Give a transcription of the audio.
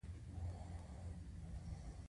د کار عیبونه یې را په ګوته کړل.